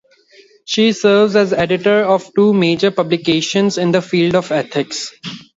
She serves as editor of two major publications in the field of ethics.